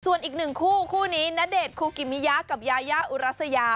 ส่วนอีกหนึ่งคู่คู่นี้ณเดชน์คูกิมิยะกับยายาอุรัสยา